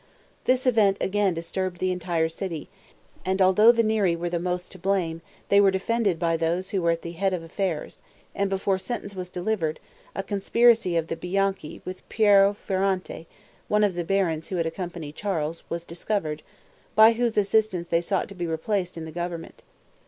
This event again disturbed the entire city; and although the Neri were most to blame, they were defended by those who were at the head of affairs; and before sentence was delivered, a conspiracy of the Bianchi with Piero Ferrante, one of the barons who had accompanied Charles, was discovered, by whose assistance they sought to be replaced in the government.